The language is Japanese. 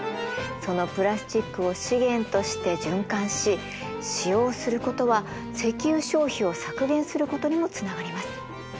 そのプラスチックを資源として循環し使用することは石油消費を削減することにもつながります。